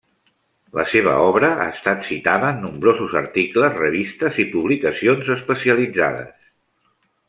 La seva obra ha estat citada en nombrosos articles, revistes i publicacions especialitzades.